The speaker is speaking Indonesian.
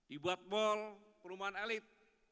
dibuat mal perumahan elit